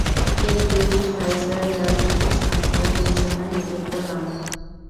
তিনি ব্রিটিশ ভাইসরয়ের রাজনৈতিক সংস্কার কমিশনার নিযুক্ত হন।